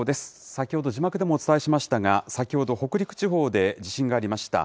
先ほど字幕でもお伝えしましたが、先ほど、北陸地方で地震がありました。